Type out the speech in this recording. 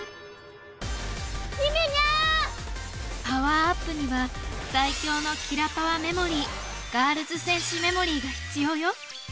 パワーアップには最強のキラパワメモリーガールズ戦士メモリーが必要よ。